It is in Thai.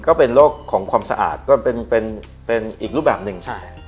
ก็เป็นโรคของความสะอาดก็เป็นอีกรูปแบบหนึ่ง